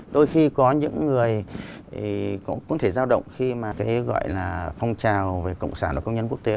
đôi khi có những người cũng có thể giao động khi mà cái gọi là phong trào về cộng sản là công nhân quốc tế